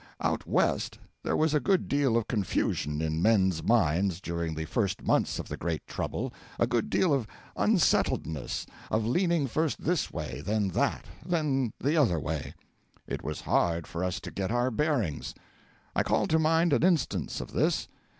Out West there was a good deal of confusion in men's minds during the first months of the great trouble a good deal of unsettledness, of leaning first this way, then that, then the other way. It was hard for us to get our bearings. I call to mind an instance of this.